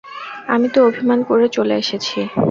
আমি তো অভিমান করে চলে এসেছি।